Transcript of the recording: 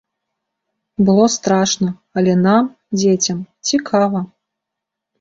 Было страшна, але нам, дзецям, цікава.